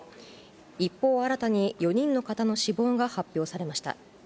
一方、新たに４人の方の死亡が発表されました。